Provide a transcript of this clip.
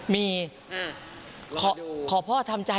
พี่นา